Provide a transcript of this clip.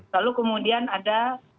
lalu kemudian ada